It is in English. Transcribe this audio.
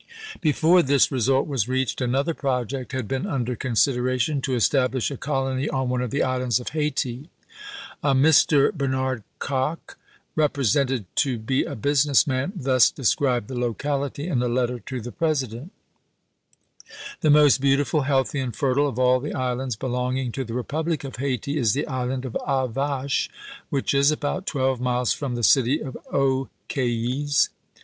Before this result was reached another project had been under consideration — to establish a colony on one of the islands of Hayti. A Mr. Ber nard Kock, represented to be a business man, thus described the locality in a letter to the President : The most beautiful, healthy, and fertile of all the islands belonging to the republic of Hayti is the island of A' Vache, which is about twelve miles from the city of Aux Cayes.